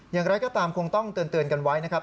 อย่างไรก็ตามคงต้องเตือนกันไว้นะครับ